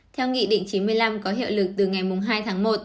theo nghị định chín mươi năm có hiệu lực từ ngày hai tháng một